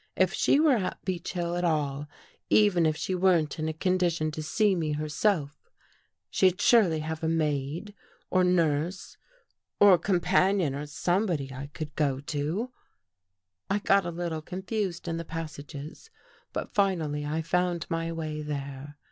If she were at Beech Hill at all even if she weren't in a condition to see me herself, she'd surely have a maid, or nurse, or companion or some body I could go to. " I got a little confused in the passages, but finally I found my way there.